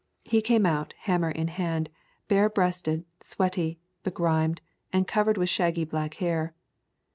He came out, hammer in hand, bare breasted, sweaty, be grimed, and covered with shaggy black hair.